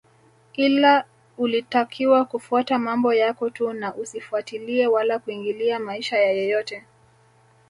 Ila ulitakiwa kufuata mambo yako tu na usifatilie wala kuingilia maisha ya yeyote